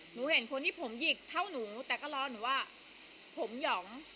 เห็นคนที่ผมหยิกเท่าหนูแต่ก็รอหนูว่าผมหย่อม